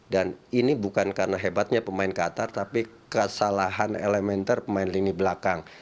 dan ini bukan karena hebatnya pemain qatar tapi kesalahan elementer pemain lini belakang